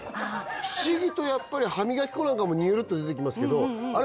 不思議とやっぱり歯磨き粉なんかもにゅるっと出てきますけどあれ